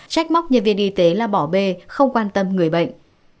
trách móc nhân viên y tế là bỏ bê không quan tâm người bệnh